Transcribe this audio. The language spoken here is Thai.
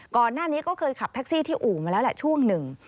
ก่อนหน้านี้ก็เคยขับแท็กซี่ที่อู่มาแล้วแหละช่วงหนึ่ง